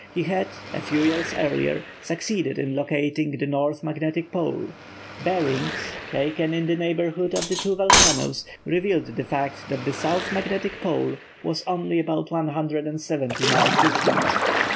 He had, a few years earlier, succeeded in locating the North Magnetic Pole. Bearings, taken in the neighbourhood of the two volcanoes, revealed the fact that the South Magnetic Pole was only about 170 miles distant.